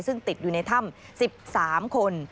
ซึ่งติดอยู่ในถ้ำ๑๓คน